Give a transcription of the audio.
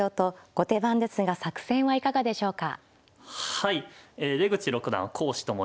後手番ですが作戦はいかがでしょうか。